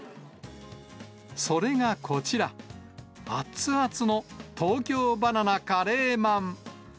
それがこちら、熱々の東京ばな奈カレーまん。